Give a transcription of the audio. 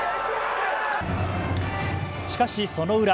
しかしその裏。